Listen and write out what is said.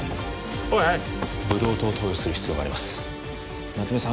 おいブドウ糖を投与する必要があります夏梅さん